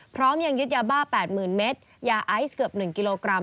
พร้อมยังยึดยาบ้า๘๐๐๐เมตรยาไอซ์เกือบ๑กิโลกรัม